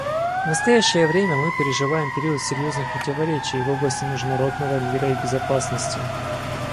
В настоящее время мы переживаем период серьезных противоречий в области международного мира и безопасности.